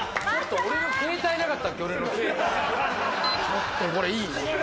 ちょっとこれいい。